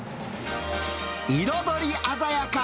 彩り鮮やか！